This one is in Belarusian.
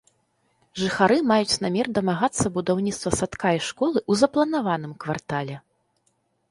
Жыхары маюць намер дамагацца будаўніцтва садка і школы ў запланаваным квартале.